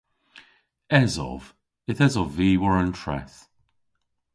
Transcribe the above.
Esov. Yth esov vy war an treth.